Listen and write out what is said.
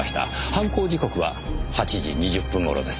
犯行時刻は８時２０分頃です。